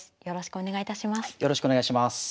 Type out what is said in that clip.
よろしくお願いします。